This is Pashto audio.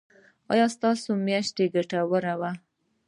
ایا ستاسو میاشت ګټوره وه؟